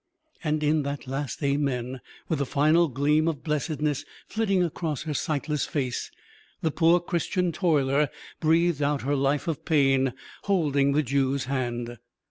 And in that last Amen, with a final gleam of blessedness flitting across her sightless face, the poor Christian toiler breathed out her life of pain, holding the Jew's hand.